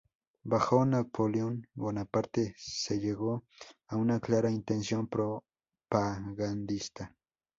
Bajo Napoleón Bonaparte, se llegó a una clara intención propagandista.